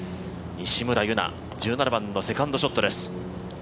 西村優菜、１７番のセカンドショットです。